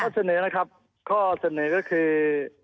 เสนอนะครับข้อเสนอก็คือ